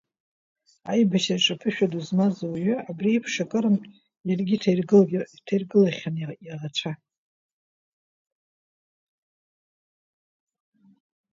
Аибашьраҿы аԥышәа ду змаз ауаҩы, абри еиԥш акырынтә иаргьы иҭаиргылахьан иаӷацәа.